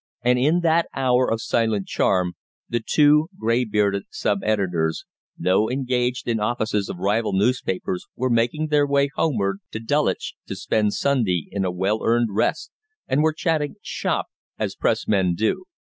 And in that hour of silent charm the two grey bearded sub editors, though engaged in offices of rival newspapers were making their way homeward to Dulwich to spend Sunday in a well earned rest, and were chatting "shop," as Press men do.